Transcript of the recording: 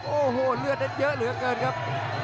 โอ้โหเลือดนั้นเยอะเหลือเกินครับ